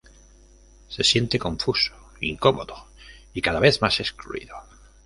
Se siente confuso, incómodo, y cada vez más excluido.